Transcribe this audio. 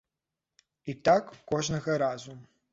І так кожнага разу.